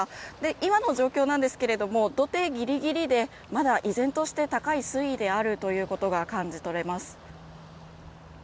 今の状況なんですが土手ぎりぎりでまだ依然として高い水位であるということが感じ取れます。